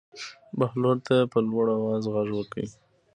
بهلول ته یې په لوړ آواز غږ وکړ.